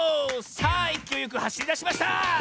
さあいきおいよくはしりだしました！